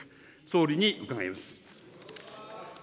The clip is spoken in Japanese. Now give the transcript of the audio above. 総理に伺います。